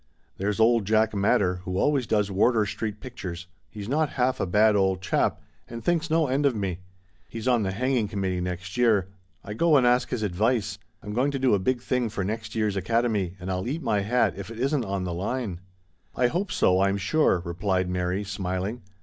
" There's old Jack Madder, who always does Wardour Street pictures; he's not half a bad old chap, and thinks no end of me. He's on the Hanging 122 THE STOBY OF A MOBBRN WOMAN. Committee next year. I go and ask his ad vice. I'm going to do a big thing for next year's Academy, and I'll eat my hat if it isn't on the line !"" I hope so, I'm sure," replied Mary, smil ing.